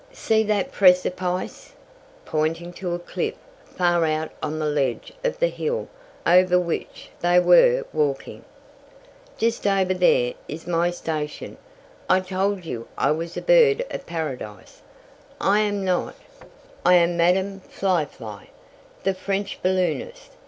See that precipice?" pointing to a cliff far out on the ledge of the hill over which they were walking. "Just over there is my station. I told you I was Bird of Paradise. I am not I am Madam Fly Fly, the French balloonist.